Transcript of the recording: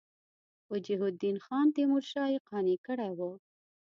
وجیه الدین خان تیمورشاه یې قانع کړی وو.